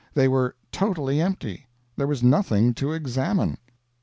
They were totally empty; there was nothing to "examine."